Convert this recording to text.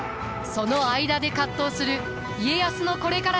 その間で葛藤する家康のこれからにご注目ください。